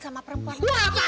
biar gak perempuan sama anak